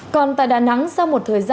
còn tại đà nẵng sau một thời gian